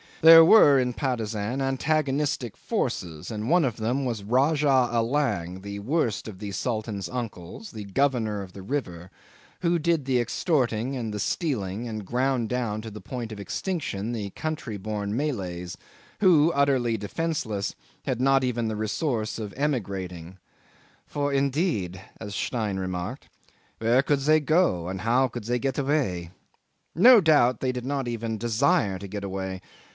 There were in Patusan antagonistic forces, and one of them was Rajah Allang, the worst of the Sultan's uncles, the governor of the river, who did the extorting and the stealing, and ground down to the point of extinction the country born Malays, who, utterly defenceless, had not even the resource of emigrating "For indeed," as Stein remarked, "where could they go, and how could they get away?" No doubt they did not even desire to get away.